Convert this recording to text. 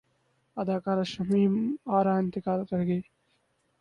اداکارہ شمیم ارا انتقال کرگئیں